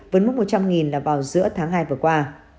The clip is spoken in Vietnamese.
vượt mốc một trăm linh ca vào giữa tháng hai vừa qua